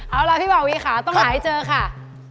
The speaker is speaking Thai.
เอาละพี่บ่าวีขาต้องหลายให้เจอกันค่ะ